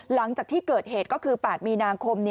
หลังจากที่เกิดเหตุก็คือ๘มีนาคม